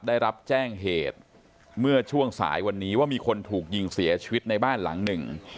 ได้รับแจ้งเหตุเมื่อช่วงสายวันนี้ว่ามีคนถูกยิงเสียชีวิตในบ้านหลังหนึ่ง